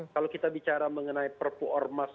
kalau kita bicara mengenai perpu ormas